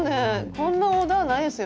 こんなオーダーないですよ